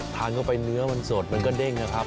ทานเข้าไปเนื้อมันสดมันก็เด้งนะครับ